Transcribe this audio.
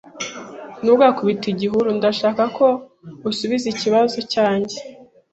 Ntugakubite igihuru. Ndashaka ko usubiza ikibazo cyanjye.